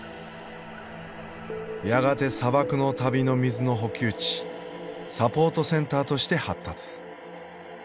やがて砂漠の旅の水の補給地サポートセンターとして発達。